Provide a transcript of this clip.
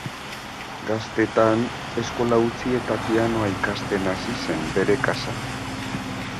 Gaztetan, eskola utzi eta pianoa ikasten hasi zen bere kasa.